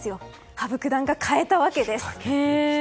羽生九段が変えたわけです。